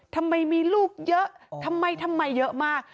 ทำไมมีลูกเยอะทำไมทำไมเยอะมาก